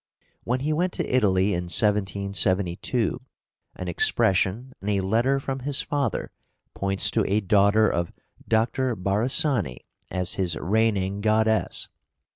When he went to Italy in 1772, an expression in a letter from his father points to a daughter of Dr. Barisani as his reigning goddess.